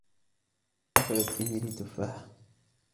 أكلت إيميلي تفاحةً.